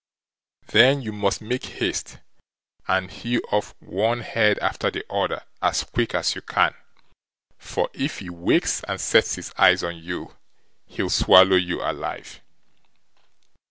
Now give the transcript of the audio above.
Then you must make haste, and hew off one head after the other as quick as you can; for if he wakes and sets his eyes on you, he'll swallow you alive".